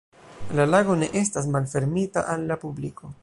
La lago ne estas malfermita al publiko.